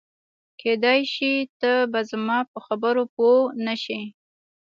کېدای شي ته به زما په خبرو پوه نه شې.